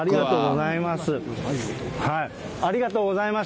ありがとうございます。